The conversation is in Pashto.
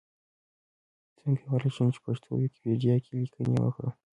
څنګه کولی شم چې پښتو ويکيپېډيا کې ليکنې وکړم؟